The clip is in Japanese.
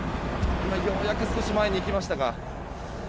ようやく少し前に行きましたが。